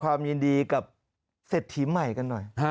ความยินดีกับเศรษฐีใหม่กันหน่อย